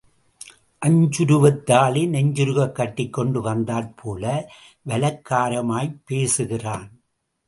அஞ்சுருவுத் தாலி நெஞ்சுருகக் கட்டிக்கொண்டு வந்தாற்போல வலக்காரமாய்ப் பேசுகிறான்.